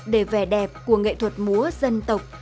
để vẻ đẹp của nghệ thuật múa dân tộc